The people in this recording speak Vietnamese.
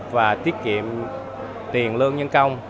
và tiết kiệm tiền lương nhân công